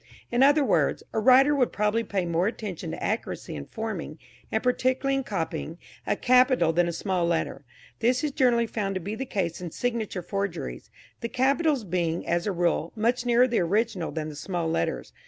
In other words, a writer would probably pay more attention to accuracy in forming, and particularly in copying, a capital than a small letter. This is generally found to be the case in signature forgeries, the capitals being, as a rule, much nearer the original than the small letters.